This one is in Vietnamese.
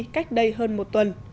cách đây hơn một tuần